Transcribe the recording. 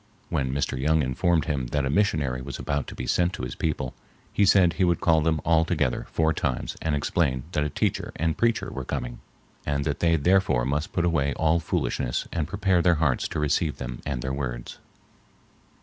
When Mr. Young informed him that a missionary was about to be sent to his people, he said he would call them all together four times and explain that a teacher and preacher were coming and that they therefore must put away all foolishness and prepare their hearts to receive them and their words.